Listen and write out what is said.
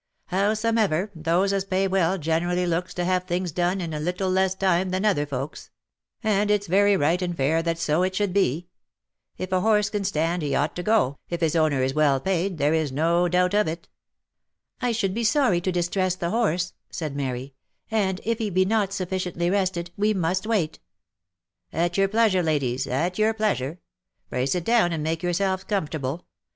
Howsomever, those as pay well generally looks to have things done in a little less time than other folks ; and it's very right and fair that so it should be. If a horse can stand, he ou^ht to go, if his owner is well paid — there is no doubt of it." " I should be sorry to distress the horse," said Mary, (( and if he be not sufficiently rested, we must wait." "At your pleasure, ladies, at your pleasure. Pray sit down and make yourselves comfortable.